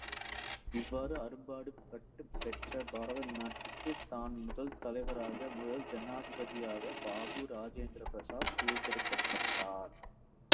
இவ்வாறு அரும்பாடுபட்டுப் பெற்ற பாரத நாட்டிற்குத் தான் முதல் தலைவராக, முதல் ஜனாதிபதியாக பாபு இராஜேந்திர பிரசாத் தேர்ந்தெடுக்கப்பட்டார்.